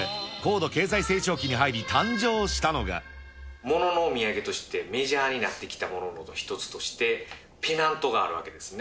そして、物のお土産としてメジャーになってきたものの一つとして、ペナントがあるわけですね。